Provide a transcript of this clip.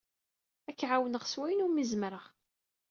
Ad k-ɛawneɣ s wayen umi zemreɣ.